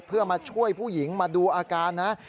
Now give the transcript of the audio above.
เพื่อมาช่วยผู้หญิงมาดูอาการนะ